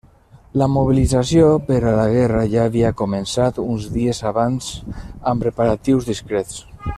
La mobilització per a la guerra ja havia començat uns dies abans amb preparatius discrets.